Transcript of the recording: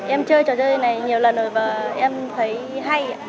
em chơi trò chơi này nhiều lần rồi và em thấy hay ạ